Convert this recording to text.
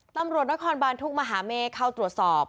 ตำรวจนครบานทุกมหาเมฆเข้าตรวจสอบ